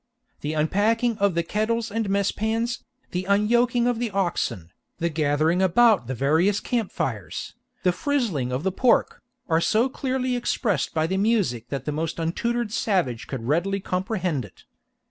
The unpacking of the kettles and mess pans, the unyoking of the oxen, the gathering about the various camp fires, the frizzling of the pork, are so clearly expressed by the music that the most untutored savage could readily comprehend it.